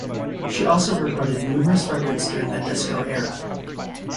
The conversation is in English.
She also recorded numerous records during the disco era.